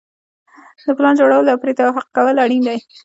د پلان جوړول او پرې توافق کول اړین دي.